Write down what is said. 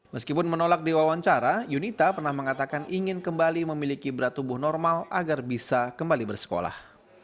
meskipun menolak diwawancara yunita pernah mengatakan ingin kembali memiliki berat tubuh normal agar bisa kembali bersekolah